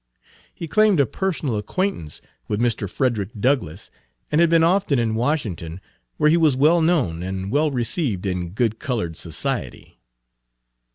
He claimed a personal acquaintance with Mr. Frederick Douglass, and had been often in Washington, where he was well known and well received in good colored society.